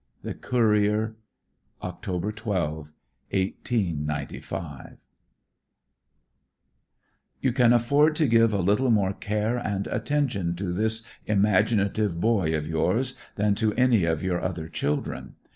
The Courier, October 12, 1895 You can afford to give a little more care and attention to this imaginative boy of yours than to any of your other children.